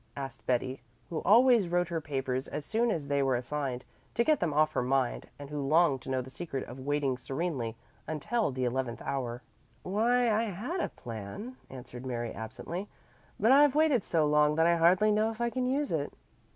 asked Betty, who always wrote her papers as soon as they were assigned, to get them off her mind, and who longed to know the secret of waiting serenely until the eleventh hour. "Why, I had a plan," answered Mary absently, "but I've waited so long that I hardly know if I can use it."